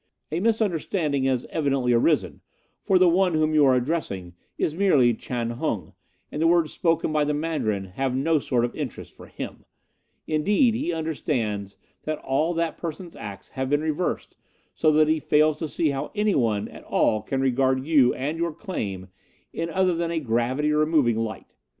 A misunderstanding has evidently arisen, for the one whom you are addressing is merely Chan Hung, and the words spoken by the Mandarin have no sort of interest for him indeed, he understands that all that person's acts have been reversed, so that he fails to see how anyone at all can regard you and your claim in other than a gravity removing light.